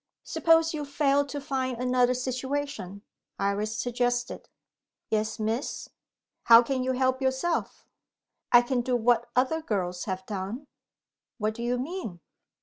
"Suppose you fail to find another situation?" Iris suggested. "Yes, Miss?" "How can you help yourself?" "I can do what other girls have done." "What do you mean?"